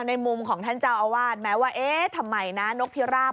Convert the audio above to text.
ในมุมของท่านเจ้าอาวาสแม้ว่าเอ๊ะทำไมนะนกพิราบ